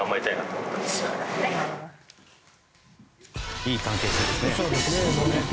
いい関係性ですね。